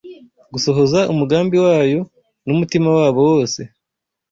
gusohoza umugambi wayo n’umutima wabo wose.